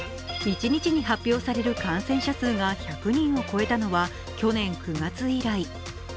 一日に発表される感染者数が１００人を超えたのは去年９月以来。